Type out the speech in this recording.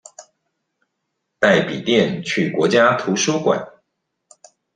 帶筆電去國家圖書館